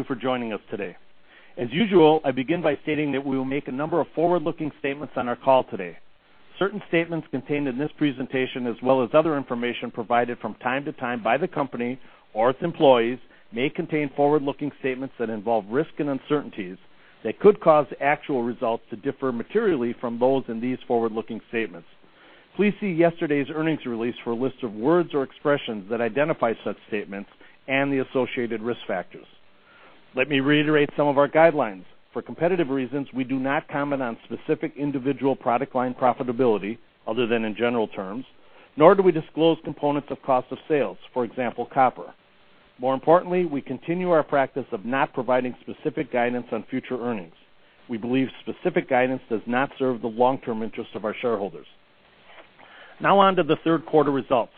Thank you for joining us today. As usual, I begin by stating that we will make a number of forward-looking statements on our call today. Certain statements contained in this presentation, as well as other information provided from time to time by the company or its employees, may contain forward-looking statements that involve risks and uncertainties that could cause actual results to differ materially from those in these forward-looking statements. Please see yesterday's earnings release for a list of words or expressions that identify such statements and the associated risk factors. Let me reiterate some of our guidelines. For competitive reasons, we do not comment on specific individual product line profitability, other than in general terms, nor do we disclose components of cost of sales, for example, copper. More importantly, we continue our practice of not providing specific guidance on future earnings. We believe specific guidance does not serve the long-term interest of our shareholders. Now on to the third quarter results.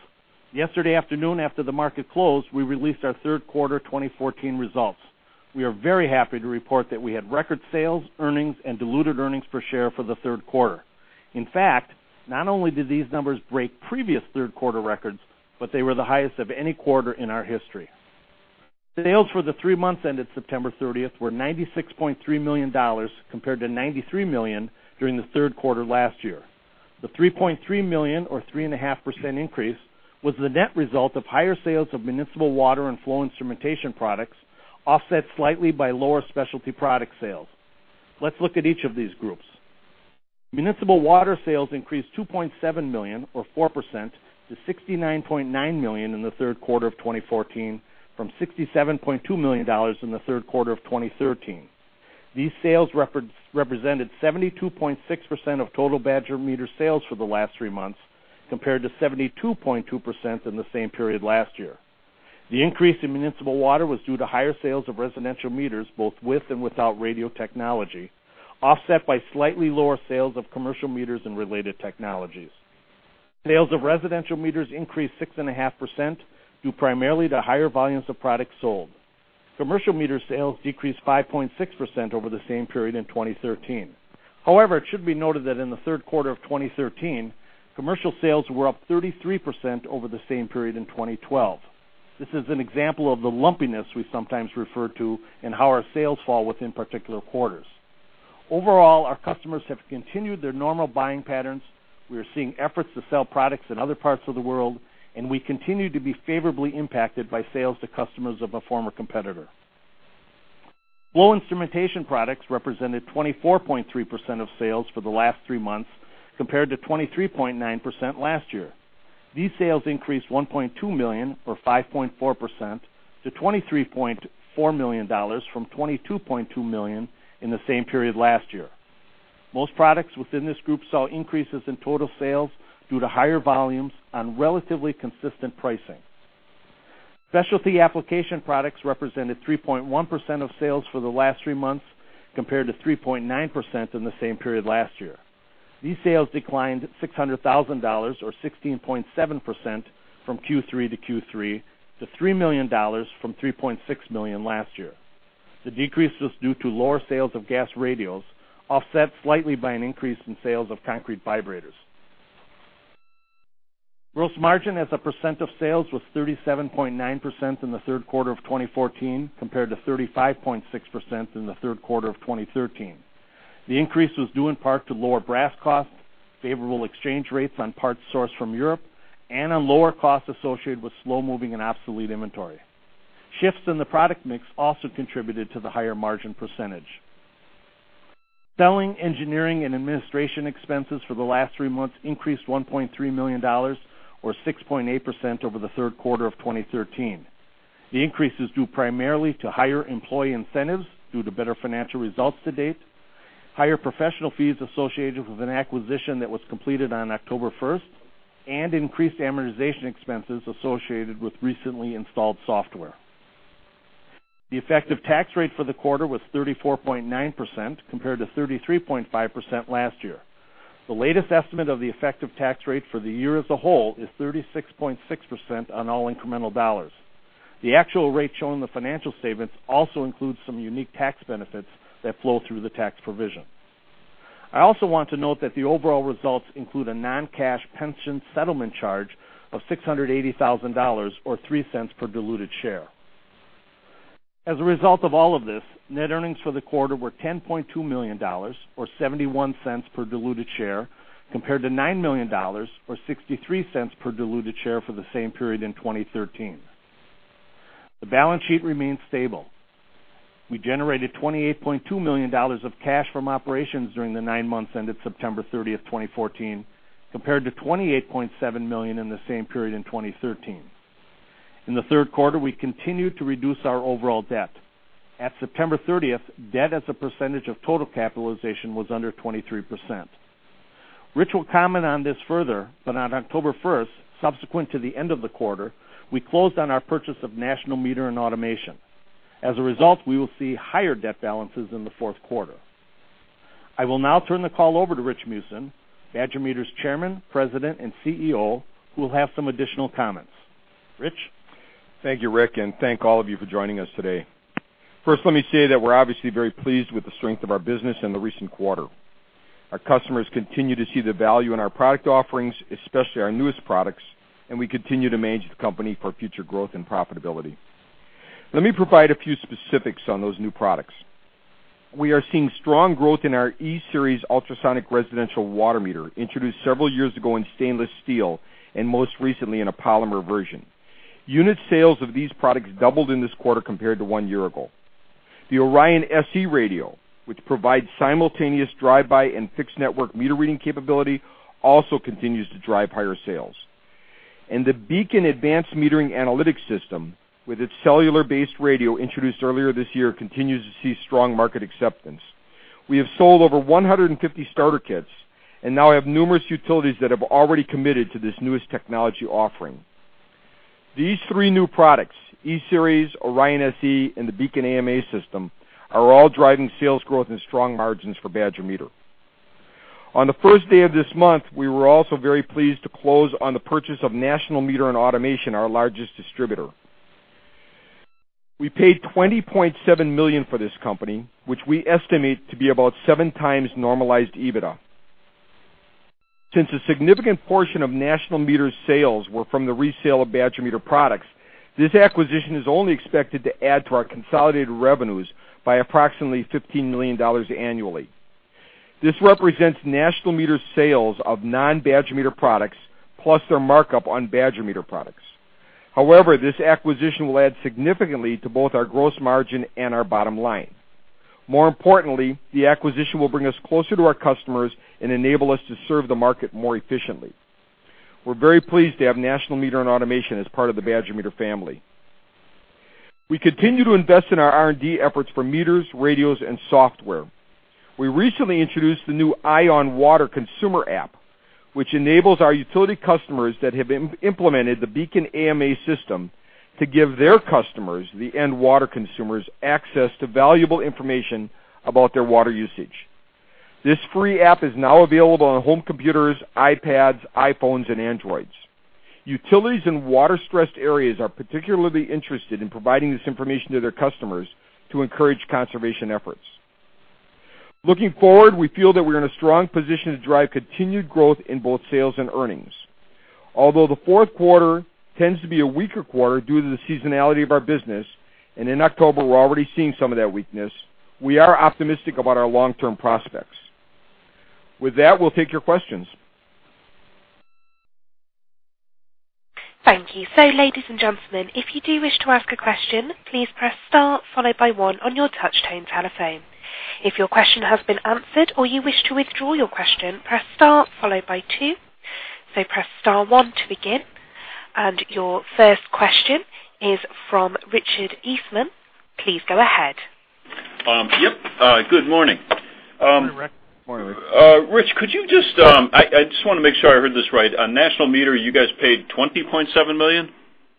Yesterday afternoon, after the market closed, we released our third quarter 2014 results. We are very happy to report that we had record sales, earnings, and diluted earnings per share for the third quarter. In fact, not only did these numbers break previous third-quarter records, but they were the highest of any quarter in our history. Sales for the three months ended September 30th were $96.3 million, compared to $93 million during the third quarter last year. The $3.3 million, or 3.5% increase, was the net result of higher sales of municipal water and flow instrumentation products, offset slightly by lower specialty product sales. Let's look at each of these groups. Municipal water sales increased $2.7 million, or 4%, to $69.9 million in the third quarter of 2014, from $67.2 million in the third quarter of 2013. These sales represented 72.6% of total Badger Meter sales for the last three months, compared to 72.2% in the same period last year. The increase in municipal water was due to higher sales of residential meters, both with and without radio technology, offset by slightly lower sales of commercial meters and related technologies. Sales of residential meters increased 6.5% due primarily to higher volumes of products sold. Commercial meter sales decreased 5.6% over the same period in 2013. However, it should be noted that in the third quarter of 2013, commercial sales were up 33% over the same period in 2012. This is an example of the lumpiness we sometimes refer to in how our sales fall within particular quarters. Overall, our customers have continued their normal buying patterns. We are seeing efforts to sell products in other parts of the world, and we continue to be favorably impacted by sales to customers of a former competitor. Flow instrumentation products represented 24.3% of sales for the last three months, compared to 23.9% last year. These sales increased $1.2 million or 5.4%, to $23.4 million from $22.2 million in the same period last year. Most products within this group saw increases in total sales due to higher volumes on relatively consistent pricing. Specialty application products represented 3.1% of sales for the last three months, compared to 3.9% in the same period last year. These sales declined $600,000, or 16.7%, from Q3 to Q3, to $3 million from $3.6 million last year. The decrease was due to lower sales of gas radios, offset slightly by an increase in sales of concrete vibrators. Gross margin as a % of sales was 37.9% in the third quarter of 2014, compared to 35.6% in the third quarter of 2013. The increase was due in part to lower brass costs, favorable exchange rates on parts sourced from Europe, and on lower costs associated with slow-moving and obsolete inventory. Shifts in the product mix also contributed to the higher margin %. Selling, engineering, and administration expenses for the last three months increased $1.3 million, or 6.8%, over the third quarter of 2013. The increase is due primarily to higher employee incentives due to better financial results to date, higher professional fees associated with an acquisition that was completed on October 1st, and increased amortization expenses associated with recently installed software. The effective tax rate for the quarter was 34.9%, compared to 33.5% last year. The latest estimate of the effective tax rate for the year as a whole is 36.6% on all incremental dollars. The actual rate shown in the financial statements also includes some unique tax benefits that flow through the tax provision. I also want to note that the overall results include a non-cash pension settlement charge of $680,000, or $0.03 per diluted share. As a result of all of this, net earnings for the quarter were $10.2 million, or $0.71 per diluted share, compared to $9 million, or $0.63 per diluted share, for the same period in 2013. The balance sheet remains stable. We generated $28.2 million of cash from operations during the nine months ended September 30th, 2014, compared to $28.7 million in the same period in 2013. In the third quarter, we continued to reduce our overall debt. At September 30th, debt as a % of total capitalization was under 23%. Rich will comment on this further, but on October 1st, subsequent to the end of the quarter, we closed on our purchase of National Meter and Automation. As a result, we will see higher debt balances in the fourth quarter. I will now turn the call over to Rich Meeusen, Badger Meter's Chairman, President, and CEO, who will have some additional comments. Rich? Thank you, Rick. Thank all of you for joining us today. First, let me say that we're obviously very pleased with the strength of our business in the recent quarter. Our customers continue to see the value in our product offerings, especially our newest products. We continue to manage the company for future growth and profitability. Let me provide a few specifics on those new products. We are seeing strong growth in our E-Series Ultrasonic residential water meter, introduced several years ago in stainless steel and most recently in a polymer version. Unit sales of these products doubled in this quarter compared to one year ago. The ORION SE radio, which provides simultaneous drive-by and fixed network meter reading capability, also continues to drive higher sales. The BEACON Advanced Metering Analytics system, with its cellular-based radio introduced earlier this year, continues to see strong market acceptance. We have sold over 150 starter kits and now have numerous utilities that have already committed to this newest technology offering. These three new products, E-Series, ORION SE, and the BEACON AMA system, are all driving sales growth and strong margins for Badger Meter. On the first day of this month, we were also very pleased to close on the purchase of National Meter and Automation, our largest distributor. We paid $20.7 million for this company, which we estimate to be about seven times normalized EBITDA. Since a significant portion of National Meter's sales were from the resale of Badger Meter products, this acquisition is only expected to add to our consolidated revenues by approximately $15 million annually. This represents National Meter's sales of non-Badger Meter products, plus their markup on Badger Meter products. This acquisition will add significantly to both our gross margin and our bottom line. More importantly, the acquisition will bring us closer to our customers and enable us to serve the market more efficiently. We're very pleased to have National Meter and Automation as part of the Badger Meter family. We continue to invest in our R&D efforts for meters, radios, and software. We recently introduced the new EyeOnWater consumer app, which enables our utility customers that have implemented the BEACON AMA system to give their customers, the end water consumers, access to valuable information about their water usage. This free app is now available on home computers, iPads, iPhones, and Androids. Utilities in water-stressed areas are particularly interested in providing this information to their customers to encourage conservation efforts. Looking forward, we feel that we're in a strong position to drive continued growth in both sales and earnings. Although the fourth quarter tends to be a weaker quarter due to the seasonality of our business, in October, we're already seeing some of that weakness, we are optimistic about our long-term prospects. With that, we'll take your questions. Thank you. Ladies and gentlemen, if you do wish to ask a question, please press star followed by one on your touchtone telephone. If your question has been answered or you wish to withdraw your question, press star followed by two. Press star one to begin. Your first question is from Richard Eastman. Please go ahead. Yep. Good morning. Good morning, Rick. Rich, I just want to make sure I heard this right. On National Meter, you guys paid $20.7 million?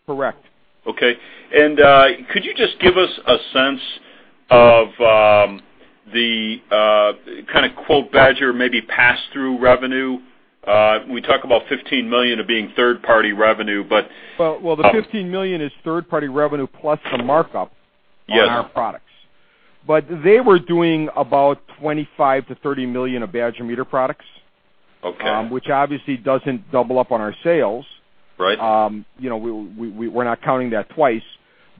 Correct. Okay. Could you just give us a sense of the kind of quote Badger maybe pass-through revenue? We talk about $15 million of being third-party revenue. Well, the $15 million is third-party revenue plus the markup. Yeah on our products. They were doing about $25 million to $30 million of Badger Meter products. Okay. Which obviously doesn't double up on our sales. Right. We're not counting that twice.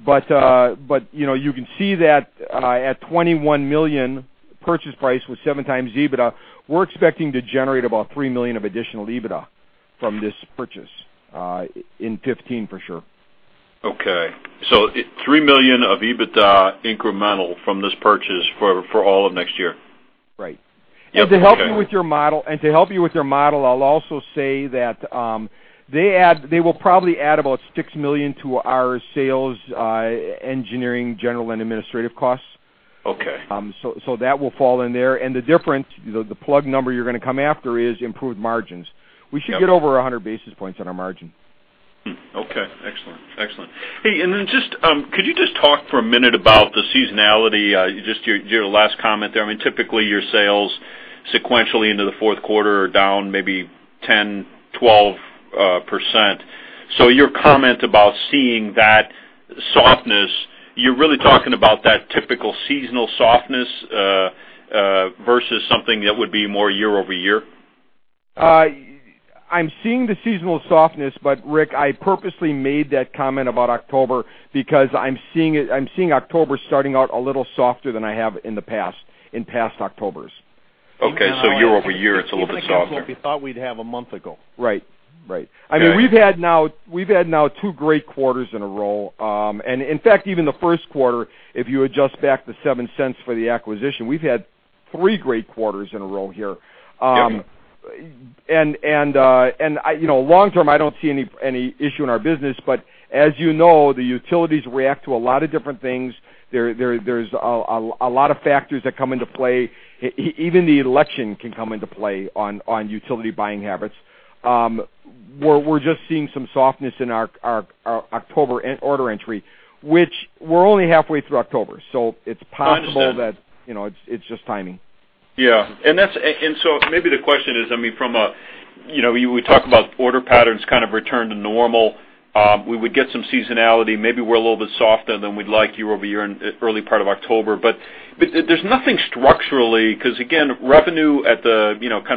You can see that at $21 million purchase price with 7 times EBITDA, we're expecting to generate about $3 million of additional EBITDA from this purchase in 2015, for sure. Okay. $3 million of EBITDA incremental from this purchase for all of next year. Right. Yep, okay. To help you with your model, I'll also say that they will probably add about $6 million to our sales, engineering, general, and administrative costs. Okay. That will fall in there. The difference, the plug number you're going to come after is improved margins. Yep. We should get over 100 basis points on our margin. Okay, excellent. Hey, could you just talk for a minute about the seasonality? Just your last comment there. Typically, your sales sequentially into the fourth quarter are down maybe 10, 12%. Your comment about seeing that softness, you're really talking about that typical seasonal softness versus something that would be more year-over-year? I'm seeing the seasonal softness, Rick, I purposely made that comment about October because I'm seeing October starting out a little softer than I have in the past, in past Octobers. Okay. Year-over-year, it's a little bit softer. Right. We've had now 2 great quarters in a row. In fact, even the 1st quarter, if you adjust back the $0.07 for the acquisition, we've had 3 great quarters in a row here. Yep. Long-term, I don't see any issue in our business, but as you know, the utilities react to a lot of different things. There's a lot of factors that come into play. Even the election can come into play on utility buying habits. We're just seeing some softness in our October order entry, which we're only halfway through October, so it's possible. I understand. It's just timing. Maybe the question is, You would talk about order patterns kind of return to normal. We would get some seasonality. Maybe we're a little bit softer than we'd like year-over-year in early part of October, there's nothing structurally, because, again, revenue at the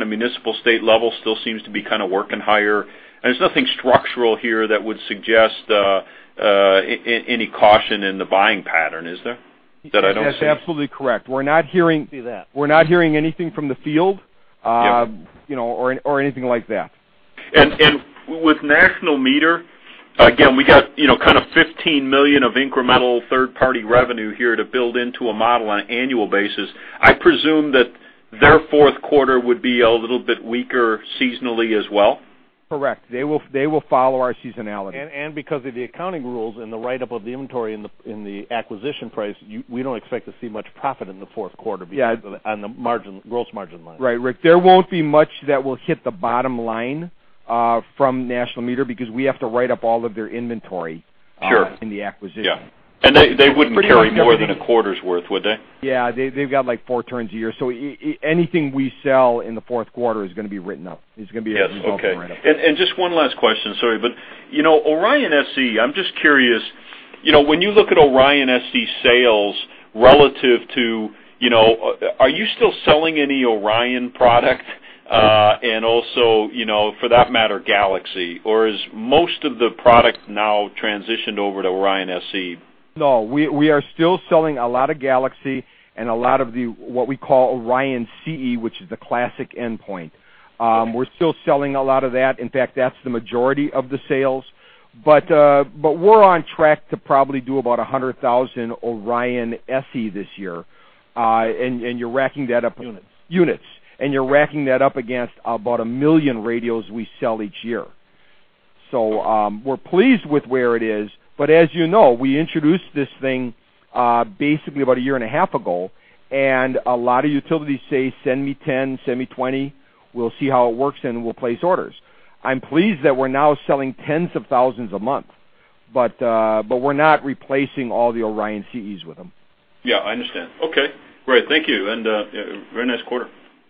municipal state level still seems to be kind of working higher, there's nothing structural here that would suggest any caution in the buying pattern, is there? That I don't see. That's absolutely correct. We're not hearing- See that we're not hearing anything from the field- Yeah Anything like that. With National Meter, again, we got kind of $15 million of incremental third-party revenue here to build into a model on an annual basis. I presume that their fourth quarter would be a little bit weaker seasonally as well? Correct. They will follow our seasonality. Because of the accounting rules and the write-up of the inventory and the acquisition price, we don't expect to see much profit in the fourth quarter. Yeah on the gross margin line. Right, Rick. There won't be much that will hit the bottom line from National Meter because we have to write up all of their inventory- Sure in the acquisition. Yeah. They wouldn't carry more than a quarter's worth, would they? Yeah. They've got like four turns a year. Anything we sell in the fourth quarter is gonna be written up. Yes, okay written up. Just one last question, sorry. Orion SE, I'm just curious, when you look at Orion SE sales relative to Are you still selling any Orion product? Also, for that matter, GALAXY? Is most of the product now transitioned over to Orion SE? No, we are still selling a lot of GALAXY and a lot of the, what we call, ORION CE, which is the classic endpoint. We're still selling a lot of that. In fact, that's the majority of the sales. We're on track to probably do about 100,000 ORION SE this year, units. Units You're racking that up against about 1 million radios we sell each year. We're pleased with where it is. As you know, we introduced this thing basically about a year and a half ago, and a lot of utilities say, "Send me 10, send me 20. We'll see how it works and we'll place orders." I'm pleased that we're now selling tens of thousands a month. We're not replacing all the ORION CEs with them. I understand. Okay. Great. Thank you. Very nice quarter.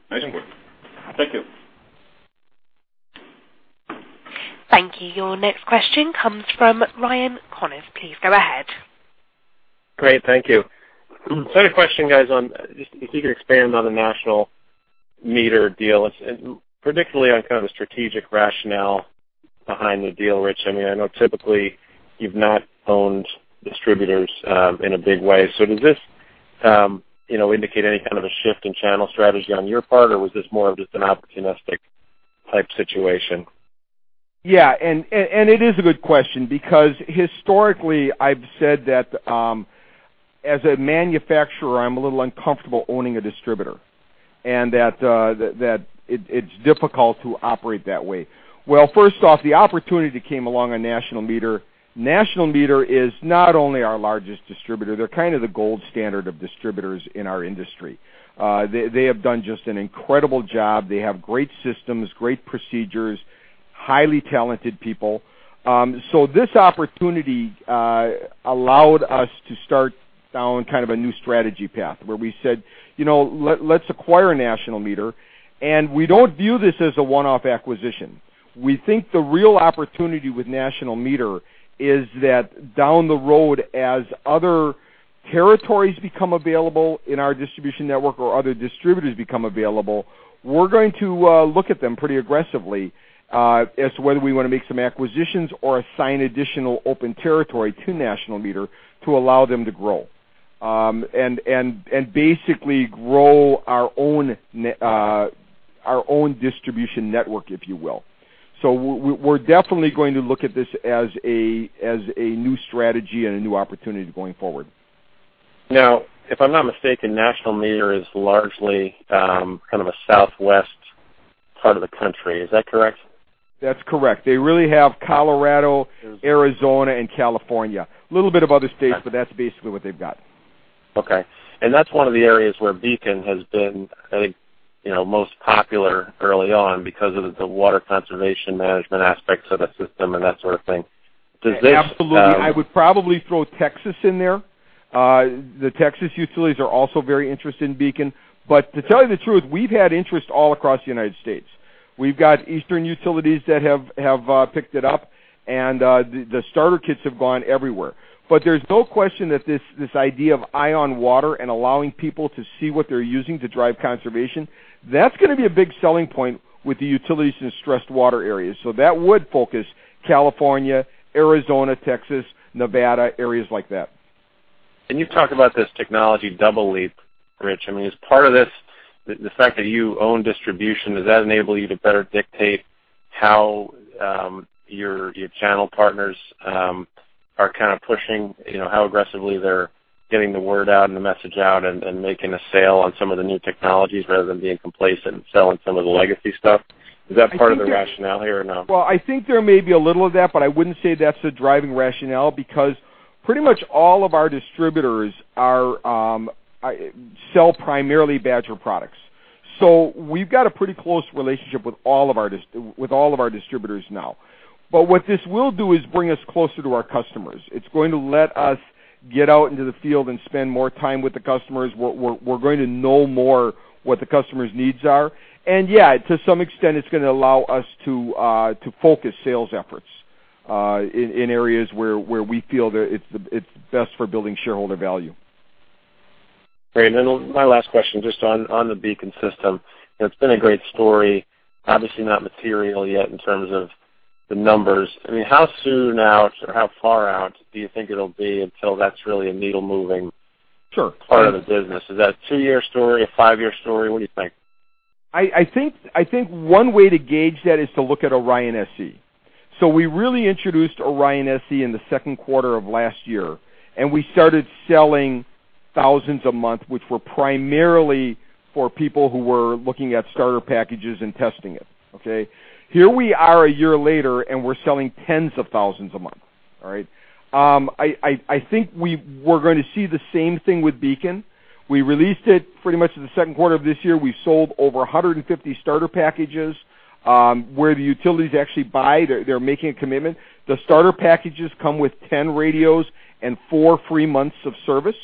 Nice quarter. Thank you. Thank you. Your next question comes from Ryan Connors. Please go ahead. Great. Thank you. I had a question, guys, on if you could expand on the National Meter deal, and particularly on kind of the strategic rationale behind the deal, Rich. I know typically you've not owned distributors in a big way. Does this indicate any kind of a shift in channel strategy on your part, or was this more of just an opportunistic type situation? Yeah, it is a good question because historically I've said that, as a manufacturer, I'm a little uncomfortable owning a distributor, and that it's difficult to operate that way. Well, first off, the opportunity came along on National Meter. National Meter is not only our largest distributor, they're kind of the gold standard of distributors in our industry. They have done just an incredible job. They have great systems, great procedures, highly talented people. This opportunity allowed us to start down kind of a new strategy path, where we said, "Let's acquire National Meter." We don't view this as a one-off acquisition. We think the real opportunity with National Meter is that down the road, as other territories become available in our distribution network or other distributors become available, we're going to look at them pretty aggressively as to whether we want to make some acquisitions or assign additional open territory to National Meter to allow them to grow. Basically grow our own distribution network, if you will. We're definitely going to look at this as a new strategy and a new opportunity going forward. If I'm not mistaken, National Meter is largely kind of a Southwest part of the country. Is that correct? That's correct. They really have Colorado, Arizona, and California. Little bit of other states, but that's basically what they've got. Okay. That's one of the areas where BEACON has been, I think, most popular early on because of the water conservation management aspects of the system and that sort of thing. Absolutely. I would probably throw Texas in there. The Texas utilities are also very interested in BEACON. To tell you the truth, we've had interest all across the United States. We've got eastern utilities that have picked it up, and the starter kits have gone everywhere. There's no question that this idea of EyeOnWater and allowing people to see what they're using to drive conservation, that's gonna be a big selling point with the utilities in stressed water areas. That would focus California, Arizona, Texas, Nevada, areas like that. You've talked about this technology double leap, Rich. I mean, is part of this the fact that you own distribution, does that enable you to better dictate how your channel partners are kind of pushing, how aggressively they're getting the word out and the message out and making a sale on some of the new technologies rather than being complacent and selling some of the legacy stuff? Is that part of the rationale here or no? I think there may be a little of that, I wouldn't say that's the driving rationale because pretty much all of our distributors sell primarily Badger products. We've got a pretty close relationship with all of our distributors now. What this will do is bring us closer to our customers. It's going to let us get out into the field and spend more time with the customers. We're going to know more what the customer's needs are. Yeah, to some extent, it's going to allow us to focus sales efforts in areas where we feel that it's best for building shareholder value. Great. My last question, just on the BEACON system. It's been a great story, obviously not material yet in terms of the numbers. How soon out or how far out do you think it'll be until that's really a needle-moving- Sure part of the business? Is that a two-year story, a five-year story? What do you think? I think one way to gauge that is to look at ORION SE. We really introduced ORION SE in the second quarter of last year, and we started selling thousands a month, which were primarily for people who were looking at starter packages and testing it. Okay. Here we are a year later, and we're selling tens of thousands a month. All right. I think we're going to see the same thing with BEACON. We released it pretty much in the second quarter of this year. We sold over 150 starter packages, where the utilities actually buy. They're making a commitment. The starter packages come with 10 radios and four free months of service.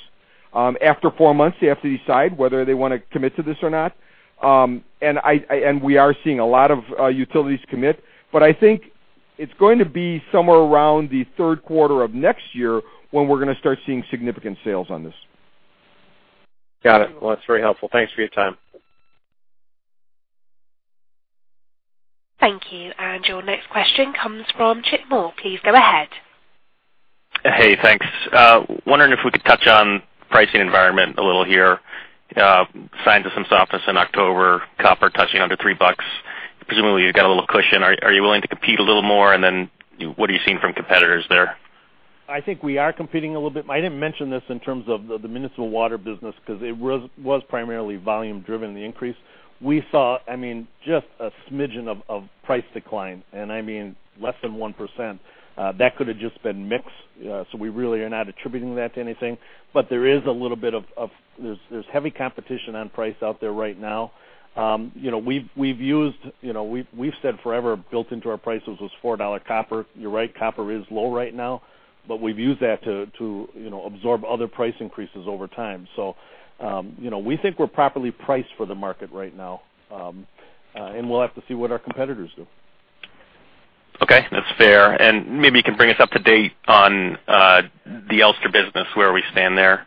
After four months, they have to decide whether they want to commit to this or not. We are seeing a lot of utilities commit, I think it's going to be somewhere around the third quarter of next year when we're going to start seeing significant sales on this. Got it. Well, that's very helpful. Thanks for your time. Thank you. Your next question comes from Chip Moore. Please go ahead. Hey, thanks. Wondering if we could touch on pricing environment a little here. Signs of some softness in October, copper touching under $3. Presumably, you've got a little cushion. Are you willing to compete a little more? Then what are you seeing from competitors there? I think we are competing a little bit. I didn't mention this in terms of the municipal water business because it was primarily volume-driven, the increase. We saw just a smidgen of price decline, and I mean less than 1%. That could have just been mix, we really are not attributing that to anything. There's heavy competition on price out there right now. We've said forever, built into our prices was $4 copper. You're right, copper is low right now, we've used that to absorb other price increases over time. We think we're properly priced for the market right now, and we'll have to see what our competitors do. Okay. That's fair. Maybe you can bring us up to date on the Elster business, where we stand there.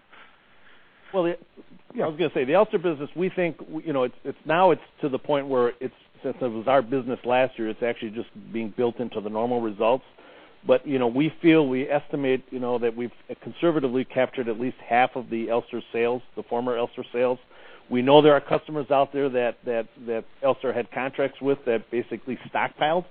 Well, I was going to say, the Elster business, we think now it's to the point where since it was our business last year, it's actually just being built into the normal results. We feel we estimate that we've conservatively captured at least half of the Elster sales, the former Elster sales. We know there are customers out there that Elster had contracts with that basically stockpiled,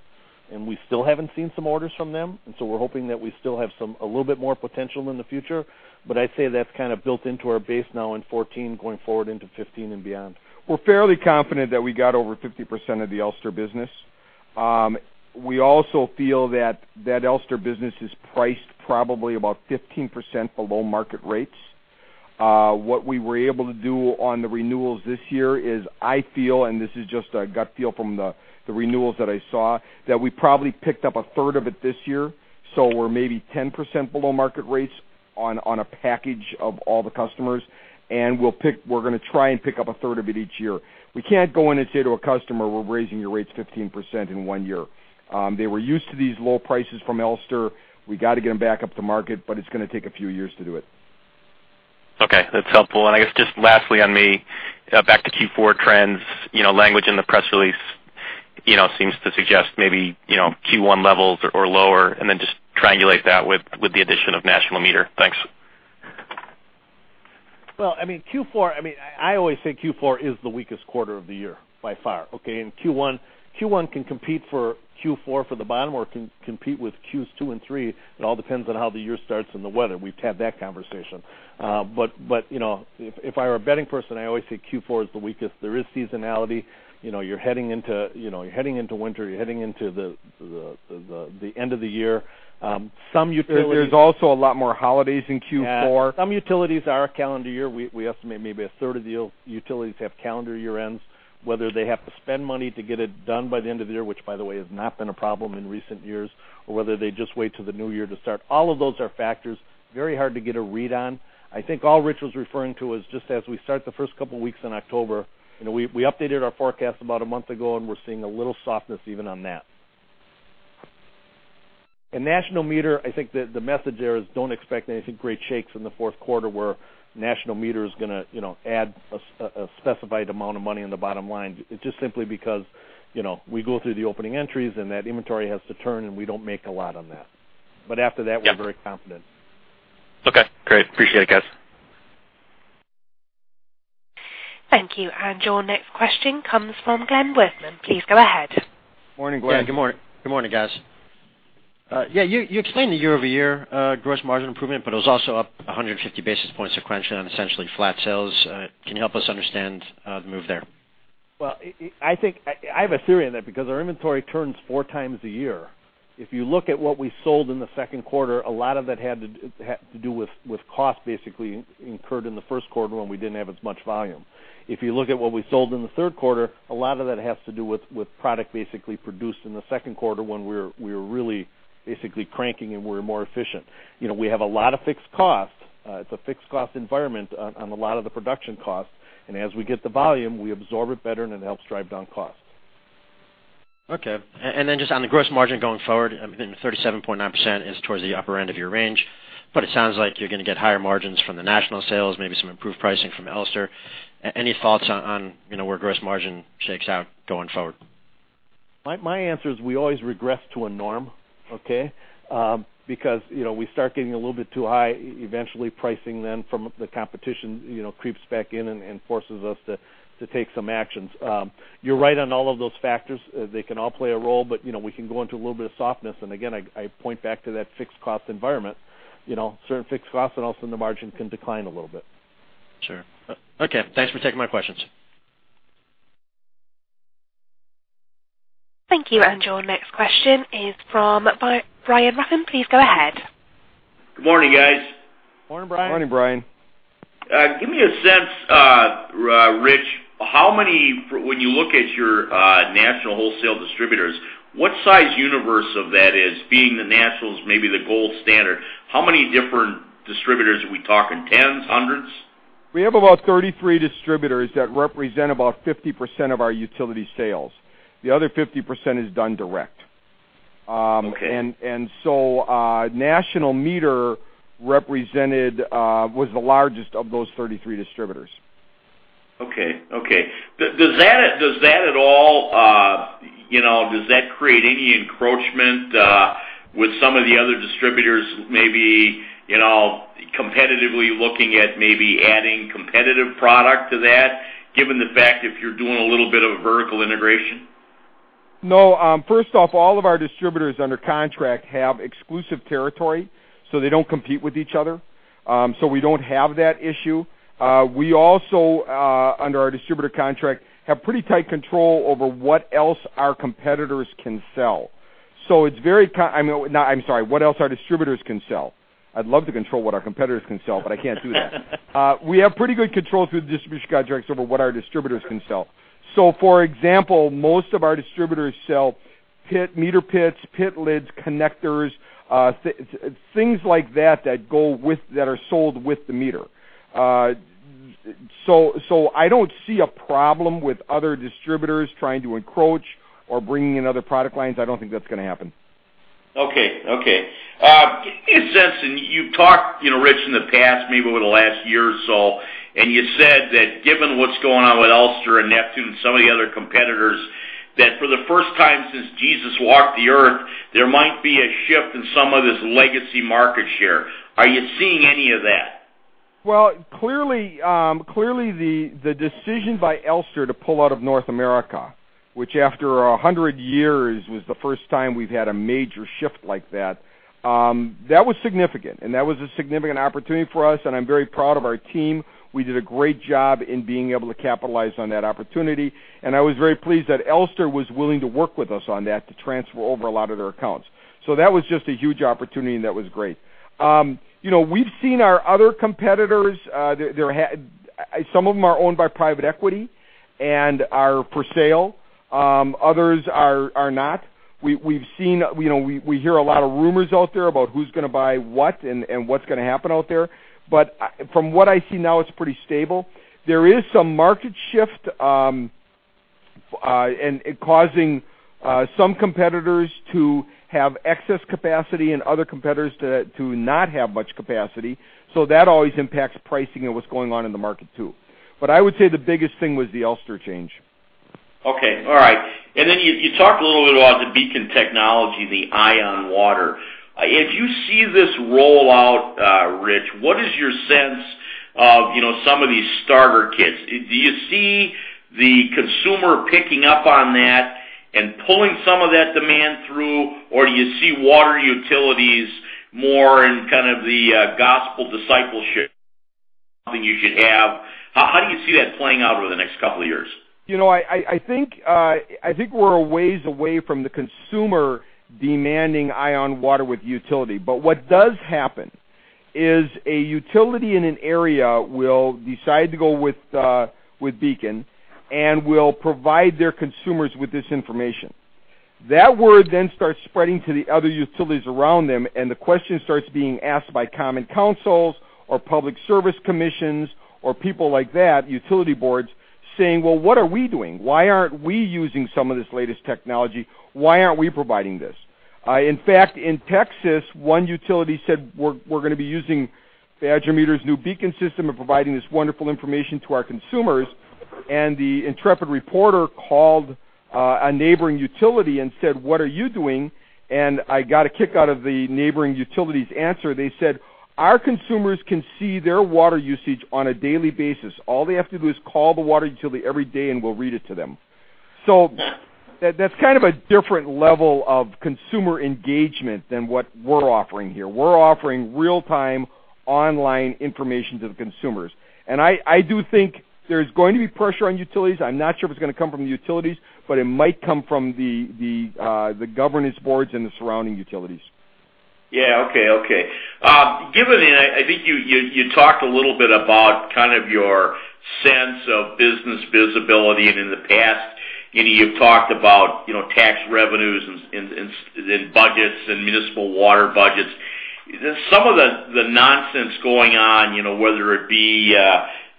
and we still haven't seen some orders from them. We're hoping that we still have a little bit more potential in the future. I'd say that's kind of built into our base now in 2014, going forward into 2015 and beyond. We're fairly confident that we got over 50% of the Elster business. We also feel that that Elster business is priced probably about 15% below market rates. What we were able to do on the renewals this year is I feel, and this is just a gut feel from the renewals that I saw, that we probably picked up a third of it this year. We're maybe 10% below market rates on a package of all the customers. We're going to try and pick up a third of it each year. We can't go in and say to a customer, "We're raising your rates 15% in one year." They were used to these low prices from Elster. We got to get them back up to market, but it's going to take a few years to do it. Okay, that's helpful. I guess just lastly on the back to Q4 trends, language in the press release seems to suggest maybe Q1 levels or lower, then just triangulate that with the addition of National Meter. Thanks. Well, I always say Q4 is the weakest quarter of the year by far. Okay, Q1 can compete for Q4 for the bottom or can compete with Q2 and three. It all depends on how the year starts and the weather. We've had that conversation. If I were a betting person, I always say Q4 is the weakest. There is seasonality. You're heading into winter. You're heading into the end of the year. There's also a lot more holidays in Q4. Yeah. Some utilities are a calendar year. We estimate maybe a third of the utilities have calendar year-ends, whether they have to spend money to get it done by the end of the year, which by the way, has not been a problem in recent years, or whether they just wait till the new year to start. All of those are factors, very hard to get a read on. I think all Rich was referring to was just as we start the first couple of weeks in October, we updated our forecast about a month ago, We're seeing a little softness even on that. National Meter, I think that the message there is don't expect anything great shakes in the fourth quarter where National Meter is going to add a specified amount of money in the bottom line, just simply because we go through the opening entries, and that inventory has to turn, and we don't make a lot on that. After that. Yeah We're very confident. Okay, great. Appreciate it, guys. Thank you. Your next question comes from Kevin Werthman. Please go ahead. Morning, Glenn. Ken, good morning. Good morning, guys. Yeah, you explained the year-over-year gross margin improvement, but it was also up 150 basis points sequentially on essentially flat sales. Can you help us understand the move there? Well, I have a theory on that because our inventory turns four times a year. If you look at what we sold in the second quarter, a lot of that had to do with cost basically incurred in the first quarter when we didn't have as much volume. If you look at what we sold in the third quarter, a lot of that has to do with product basically produced in the second quarter when we were really basically cranking and we're more efficient. We have a lot of fixed costs. It's a fixed cost environment on a lot of the production costs, and as we get the volume, we absorb it better, and it helps drive down costs. Okay. Then just on the gross margin going forward, I mean, 37.9% is towards the upper end of your range, but it sounds like you're going to get higher margins from the National sales, maybe some improved pricing from Elster. Any thoughts on where gross margin shakes out going forward? My answer is we always regress to a norm, okay. We start getting a little bit too high, eventually pricing then from the competition creeps back in and forces us to take some actions. You're right on all of those factors. They can all play a role, but we can go into a little bit of softness. Again, I point back to that fixed cost environment. Certain fixed costs and also the margin can decline a little bit. Sure. Okay, thanks for taking my questions. Thank you. Your next question is from Brian Ruttenbur. Please go ahead. Good morning, guys. Morning, Brian. Morning, Brian. Give me a sense, Rich, when you look at your national wholesale distributors, what size universe of that is, being the nationals may be the gold standard, how many different distributors are we talking? Tens? Hundreds? We have about 33 distributors that represent about 50% of our utility sales. The other 50% is done direct. Okay. National Meter represented was the largest of those 33 distributors. Okay. Does that create any encroachment with some of the other distributors, maybe, competitively looking at maybe adding competitive product to that, given the fact if you're doing a little bit of a vertical integration? No. First off, all of our distributors under contract have exclusive territory, they don't compete with each other. We don't have that issue. We also, under our distributor contract, have pretty tight control over what else our competitors can sell. I'm sorry, what else our distributors can sell. I'd love to control what our competitors can sell, but I can't do that. We have pretty good control through the distribution contracts over what our distributors can sell. For example, most of our distributors sell meter pits, pit lids, connectors, things like that that are sold with the meter. I don't see a problem with other distributors trying to encroach or bring in other product lines. I don't think that's going to happen. Okay. You talked, Rich, in the past, maybe over the last year or so, and you said that given what's going on with Elster and Neptune and some of the other competitors, that for the first time since Jesus walked the earth, there might be a shift in some of this legacy market share. Are you seeing any of that? Clearly, the decision by Elster to pull out of North America, which after 100 years was the first time we've had a major shift like that was significant, and that was a significant opportunity for us, and I'm very proud of our team. We did a great job in being able to capitalize on that opportunity, and I was very pleased that Elster was willing to work with us on that to transfer over a lot of their accounts. That was just a huge opportunity, and that was great. We've seen our other competitors. Some of them are owned by private equity and are for sale. Others are not. We hear a lot of rumors out there about who's going to buy what and what's going to happen out there. From what I see now, it's pretty stable. There is some market shift, causing some competitors to have excess capacity and other competitors to not have much capacity. That always impacts pricing and what's going on in the market, too. I would say the biggest thing was the Elster change. Okay. All right. You talked a little bit about the BEACON technology, the EyeOnWater. If you see this roll out, Rich, what is your sense of some of these starter kits? Do you see the consumer picking up on that and pulling some of that demand through, or do you see water utilities more in kind of the gospel discipleship you should have? How do you see that playing out over the next couple of years? I think we're a ways away from the consumer demanding EyeOnWater with utility. What does happen is a utility in an area will decide to go with BEACON and will provide their consumers with this information. That word then starts spreading to the other utilities around them, the question starts being asked by common councils or public service commissions or people like that, utility boards, saying, "Well, what are we doing? Why aren't we using some of this latest technology? Why aren't we providing this?" In fact, in Texas, one utility said, "We're going to be using Badger Meter's new BEACON system and providing this wonderful information to our consumers." The intrepid reporter called a neighboring utility and said, "What are you doing?" I got a kick out of the neighboring utility's answer. They said, "Our consumers can see their water usage on a daily basis. All they have to do is call the water utility every day, and we'll read it to them." That's kind of a different level of consumer engagement than what we're offering here. We're offering real-time online information to the consumers. I do think there's going to be pressure on utilities. I'm not sure if it's going to come from the utilities, but it might come from the governance boards and the surrounding utilities. Yeah. Okay. I think you talked a little bit about kind of your sense of business visibility and in the past you've talked about tax revenues and budgets and municipal water budgets. Some of the nonsense going on, whether it be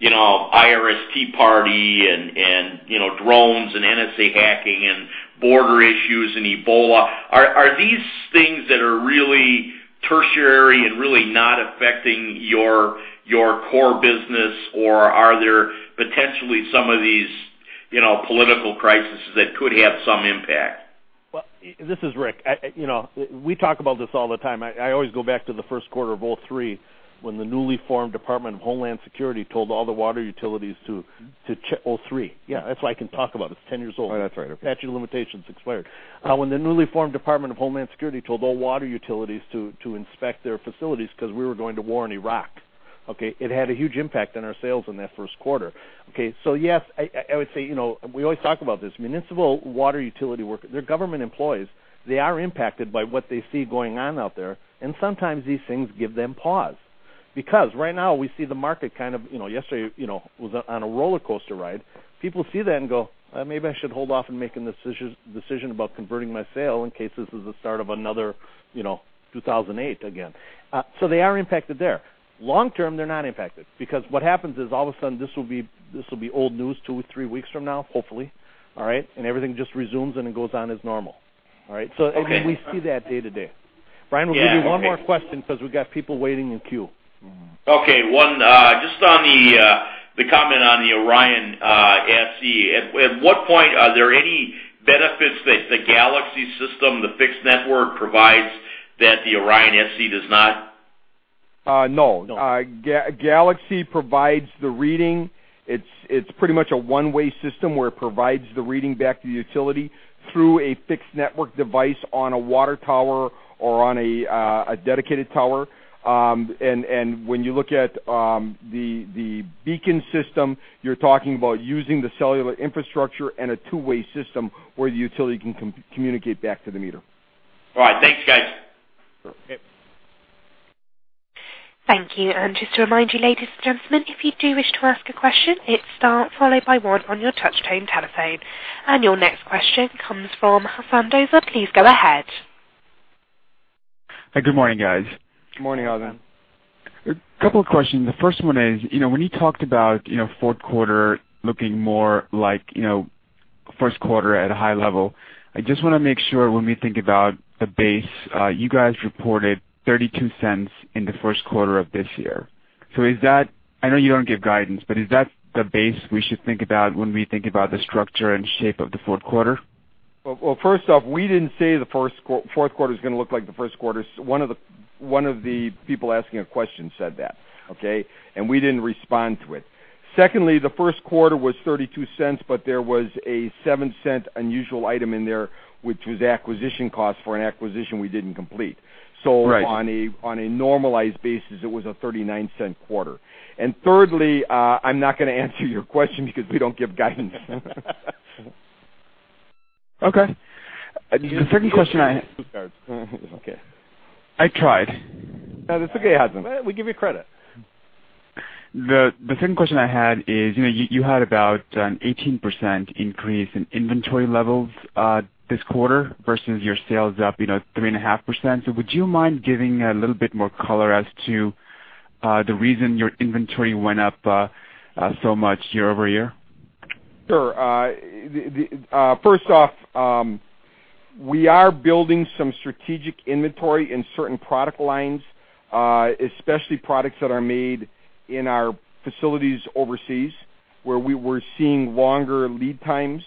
IRS, Tea Party, and drones and NSA hacking and border issues and Ebola, are these things that are really tertiary and really not affecting your core business, or are there potentially some of these political crises that could have some impact? Well, this is Rick. We talk about this all the time. I always go back to the first quarter of '03, when the newly formed Department of Homeland Security told all the water utilities. '03. Yeah, that's what I can talk about. It's 10 years old. Oh, that's right. Statute of limitations expired. When the newly formed Department of Homeland Security told all water utilities to inspect their facilities because we were going to war in Iraq. Okay? It had a huge impact on our sales in that first quarter. Okay. Yes, I would say, we always talk about this, municipal water utility work. They're government employees. They are impacted by what they see going on out there, and sometimes these things give them pause. Right now we see the market kind of on a roller coaster ride. People see that and go, "Maybe I should hold off on making the decision about converting my sale in case this is the start of another 2008 again." They are impacted there. Long term, they're not impacted, because what happens is all of a sudden, this will be old news two or three weeks from now, hopefully. All right. Everything just resumes, and it goes on as normal. All right. Again, we see that day to day. Brian, we'll give you one more question because we've got people waiting in queue. Okay. One, just on the comment on the ORION SE. At what point are there any benefits that the GALAXY system, the fixed network provides that the ORION SE does not? No. No. GALAXY provides the reading. It's pretty much a one-way system where it provides the reading back to the utility through a fixed network device on a water tower or on a dedicated tower. When you look at the BEACON system, you're talking about using the cellular infrastructure and a two-way system where the utility can communicate back to the meter. All right. Thanks, guys. Okay. Thank you. Just to remind you, ladies and gentlemen, if you do wish to ask a question, hit star followed by one on your touchtone telephone. Your next question comes from Hasan Doza. Please go ahead. Good morning, guys. Good morning, Hasan. A couple of questions. The first one is, when you talked about fourth quarter looking more like first quarter at a high level, I just want to make sure when we think about the base, you guys reported $0.32 in the first quarter of this year. I know you don't give guidance, but is that the base we should think about when we think about the structure and shape of the fourth quarter? Well, first off, we didn't say the fourth quarter is going to look like the first quarter. One of the people asking a question said that, okay? We didn't respond to it. Secondly, the first quarter was $0.32, but there was a $0.07 unusual item in there, which was acquisition cost for an acquisition we didn't complete. Right. On a normalized basis, it was a $0.39 quarter. Thirdly, I'm not going to answer your question because we don't give guidance. Okay. The second question. Okay. I tried. No, that's okay, Hasan. We give you credit. The second question I had is, you had about an 18% increase in inventory levels this quarter versus your sales up three and a half %. Would you mind giving a little bit more color as to the reason your inventory went up so much year-over-year? Sure. First off, we are building some strategic inventory in certain product lines, especially products that are made in our facilities overseas, where we were seeing longer lead times.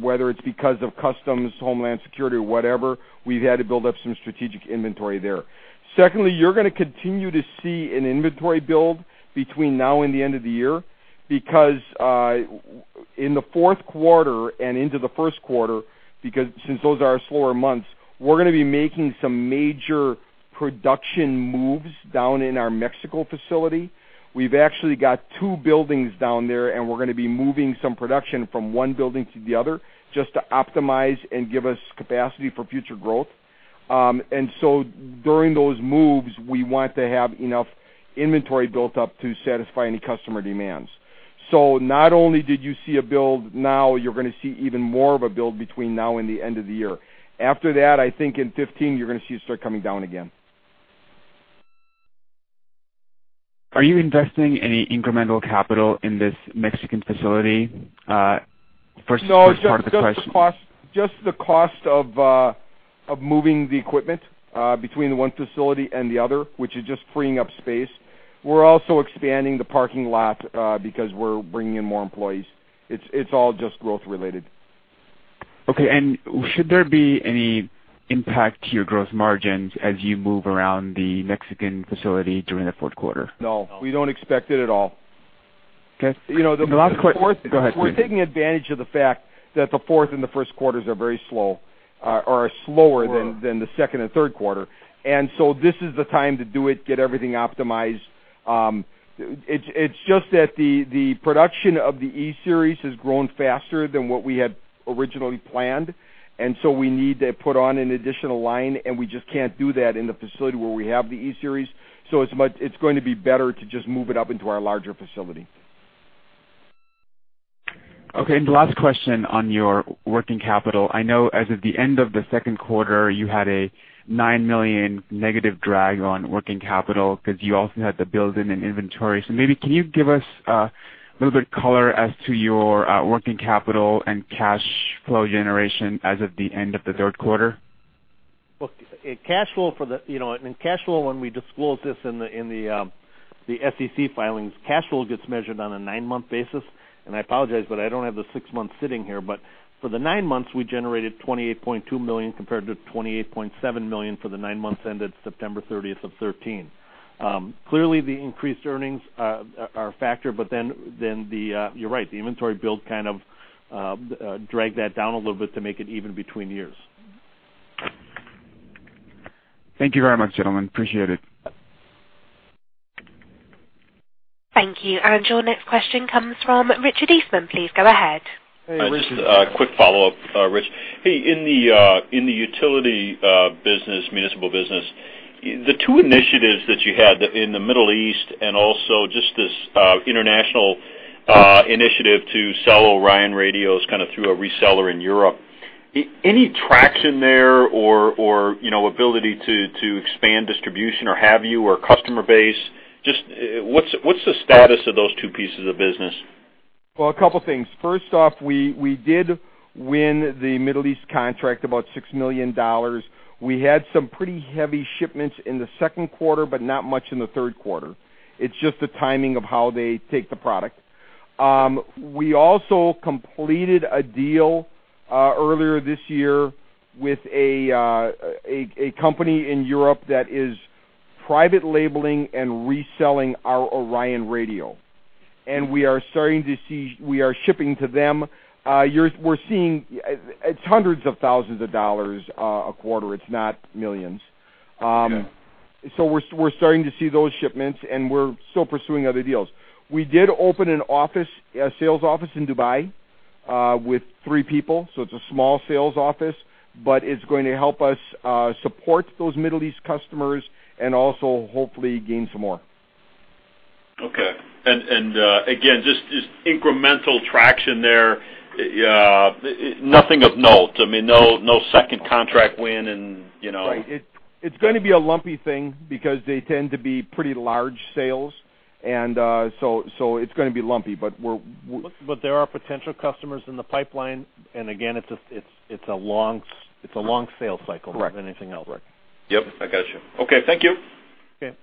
Whether it's because of customs, Homeland Security, or whatever, we've had to build up some strategic inventory there. Secondly, you're gonna continue to see an inventory build between now and the end of the year because in the fourth quarter and into the first quarter, since those are our slower months, we're gonna be making some major production moves down in our Mexico facility. We've actually got two buildings down there, and we're gonna be moving some production from one building to the other just to optimize and give us capacity for future growth. During those moves, we want to have enough inventory built up to satisfy any customer demands. Not only did you see a build, now you're gonna see even more of a build between now and the end of the year. After that, I think in 2015, you're gonna see it start coming down again. Are you investing any incremental capital in this Mexican facility? First part of the question. No, just the cost of moving the equipment between the one facility and the other, which is just freeing up space. We're also expanding the parking lot because we're bringing in more employees. It's all just growth related. Okay. Should there be any impact to your growth margins as you move around the Mexican facility during the fourth quarter? No. We don't expect it at all. Okay. Go ahead. We're taking advantage of the fact that the fourth and the first quarters are very slow or are slower than the second and third quarter. This is the time to do it, get everything optimized. It's just that the production of the E-Series has grown faster than what we had originally planned, we need to put on an additional line, and we just can't do that in the facility where we have the E-Series. It's going to be better to just move it up into our larger facility. Okay, the last question on your working capital. I know as of the end of the second quarter, you had a $9 million negative drag on working capital because you also had the build in inventory. Maybe can you give us a little bit of color as to your working capital and cash flow generation as of the end of the third quarter? Look, cash flow when we disclose this in the SEC filings, cash flow gets measured on a nine-month basis, and I apologize, I don't have the six months sitting here. For the nine months, we generated $28.2 million compared to $28.7 million for the nine months ended September 30th of 2013. Clearly, the increased earnings are a factor, you're right, the inventory build kind of dragged that down a little bit to make it even between years. Thank you very much, gentlemen. Appreciate it. Thank you. Your next question comes from Richard Eastman. Please go ahead. Hey, Richard. Just a quick follow-up, Rich. Hey, in the utility business, municipal business, the two initiatives that you had in the Middle East and also just this international initiative to sell ORION radios kind of through a reseller in Europe, any traction there or ability to expand distribution, or have you, or customer base? Just what's the status of those two pieces of business? Well, two things. First off, we did win the Middle East contract, about $6 million. We had some pretty heavy shipments in Q2, but not much in Q3. It's just the timing of how they take the product. We also completed a deal earlier this year with a company in Europe that is private labeling and reselling our ORION radio. We are shipping to them. We're seeing it's hundreds of thousands of dollars a quarter. It's not millions. Okay. We're starting to see those shipments, and we're still pursuing other deals. We did open a sales office in Dubai with three people, it's a small sales office, but it's going to help us support those Middle East customers and also hopefully gain some more. Okay. Again, just incremental traction there. Nothing of note. I mean, no second contract win and- Right. It's going to be a lumpy thing because they tend to be pretty large sales. It's going to be lumpy, but we're- There are potential customers in the pipeline. Again, it's a long sales cycle. Correct if anything else. Yep. I got you. Okay. Thank you. Okay.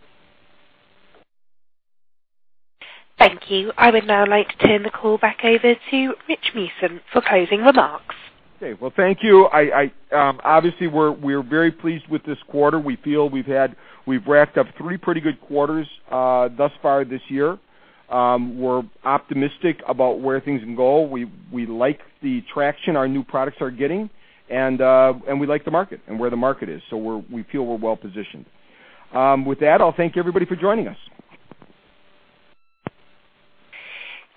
Thank you. I would now like to turn the call back over to Rich Meeusen for closing remarks. Okay. Well, thank you. Obviously, we're very pleased with this quarter. We feel we've racked up three pretty good quarters thus far this year. We're optimistic about where things can go. We like the traction our new products are getting, and we like the market and where the market is. We feel we're well-positioned. With that, I'll thank everybody for joining us.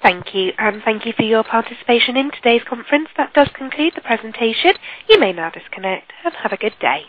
Thank you. Thank you for your participation in today's conference. That does conclude the presentation. You may now disconnect, and have a good day.